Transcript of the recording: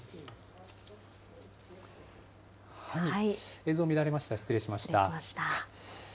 映像乱れました、失礼しました。